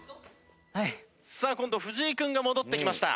さあ今度藤井君が戻ってきました。